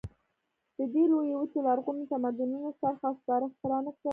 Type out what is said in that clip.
د دې لویې وچې لرغونو تمدنونو څرخ او سپاره اختراع نه کړل.